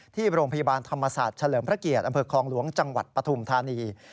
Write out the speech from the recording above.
ที่โรงพยาบาลธรรมศาสตร์เฉลิมพระเกียรติอำเภอคลองหลวงจังหวัดปฐุมธานี